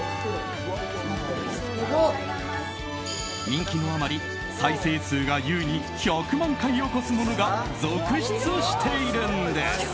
人気のあまり再生数が優に１００万回を超すものが続出しているんです。